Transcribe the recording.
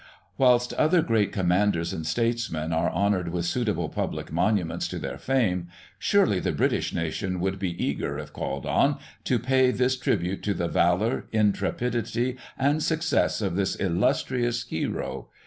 Whilst other great commanders and statesmen are honoured with suitable public monuments to their fame, surely the British nation would be eager, if called on, to pay this tribute to the valoiur, intrepidity and success of this illustrious hero.